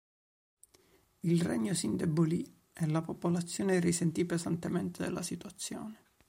Il regno si indebolì e la popolazione risentì pesantemente della situazione.